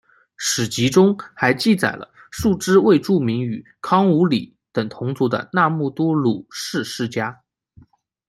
史籍中还记载了数支未注明与康武理等同族的那木都鲁氏世家。